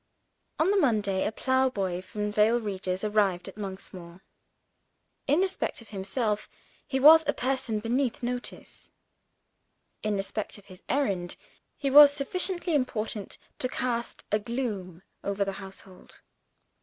On the Monday, a plowboy from Vale Regis arrived at Monksmoor. In respect of himself, he was a person beneath notice. In respect of his errand, he was sufficiently important to cast a gloom over the household.